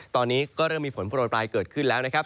ตอนนี้ก็เริ่มมีฝนโปรยปลายเกิดขึ้นแล้วนะครับ